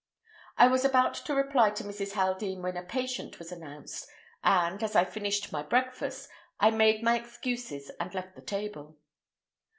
I was about to reply to Mrs. Haldean when a patient was announced, and, as I had finished my breakfast, I made my excuses and left the table.